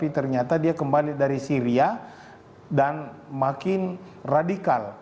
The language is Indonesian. ternyata dia kembali dari syria dan makin radikal